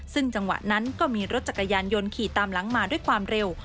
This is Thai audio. ซึ่งจังหวะนั้นก็มีรถจักรยานยนต์ขี่ตามหลังมาด้วยความเร็ว